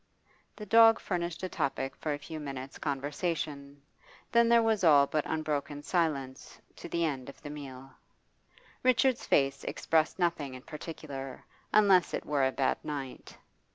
The dog furnished a topic for a few minutes' conversation, then there was all but unbroken silence to the end of the meal. Richard's face expressed nothing in particular, unless it were a bad night.